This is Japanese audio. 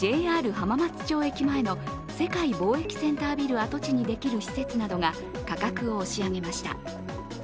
浜松町駅前の世界貿易センター前の跡地にできる施設などが価格を押し上げました。